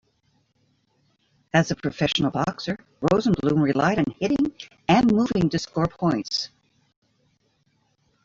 As a professional boxer, Rosenbloom relied on hitting and moving to score points.